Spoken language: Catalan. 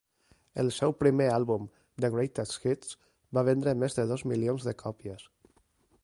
El seu primer àlbum, "The Greatest Hits", va vendre més de dos milions de còpies.